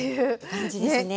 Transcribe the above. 感じですね。